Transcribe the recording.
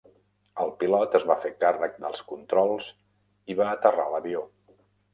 El pilot es va fer càrrec dels controls i va aterrar l'avió.